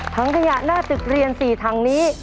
ถังขยะหน้าตึกเรียน๔ถังนี้